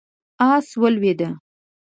آس ولوېد.